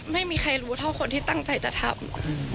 ไม่มีใครรู้เท่าคนที่ตั้งใจจะทำ